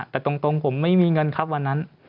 แต่ตรงผมไม่มีเงินครับวันนั้น